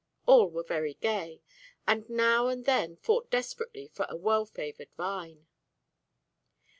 All were very gay, and now and then fought desperately for a well favoured vine.